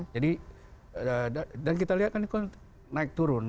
jadi dan kita lihat kan itu kan naik turun